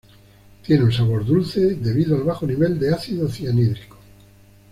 Tiene un sabor dulce debido al bajo nivel de ácido cianhídrico.